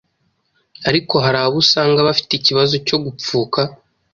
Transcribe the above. ariko hari abo usanga bafite ikibazo cyo gupfuka